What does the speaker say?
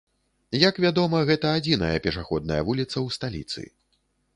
Як вядома, гэта адзіная пешаходная вуліца ў сталіцы.